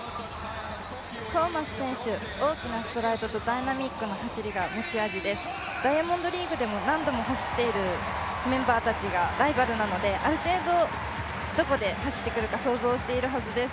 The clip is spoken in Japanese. トーマス選手、大きなストライドとダイナミックな走りが持ち味です、ダイヤモンドリーグでも何度も走っているメンバーたちがライバルなのである程度どこで走ってくるか想像しているはずです。